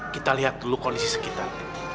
kita lihat dulu kondisi sekitar